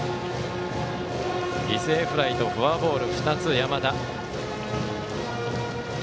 犠牲フライとフォアボール２つ山田。